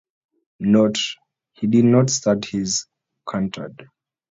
Note: He did not start this quartet.